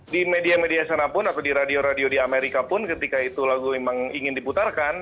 di media media sana pun atau di radio radio di amerika pun ketika itu lagu memang ingin diputarkan